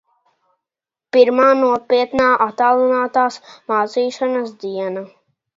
Pirmā nopietnā attālinātās mācīšanās diena...